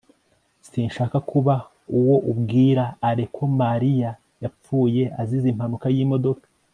sinshaka kuba uwo ubwira alain ko mariya yapfuye azize impanuka y'imodoka